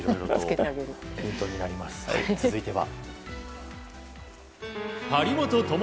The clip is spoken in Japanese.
続いては。